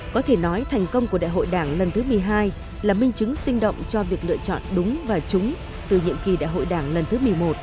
có thể nói thành công của đại hội đảng lần thứ một mươi hai là minh chứng sinh động cho việc lựa chọn đúng và chúng từ nhiệm kỳ đại hội đảng lần thứ một mươi một